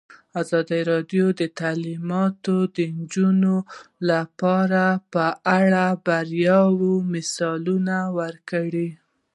ازادي راډیو د تعلیمات د نجونو لپاره په اړه د بریاوو مثالونه ورکړي.